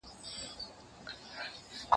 نو ایله یې له کوټې څخه بهر کړ